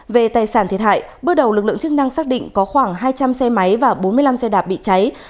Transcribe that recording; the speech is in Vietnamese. về tài sản thiệt hại bước đầu lực lượng chức năng xác định có khoảng hai trăm linh xe máy và bốn mươi năm xe đạp bị cháy